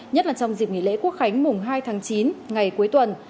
nhất là trong dịp nghỉ lễ quốc khánh mùng hai tháng chín ngày cuối tuần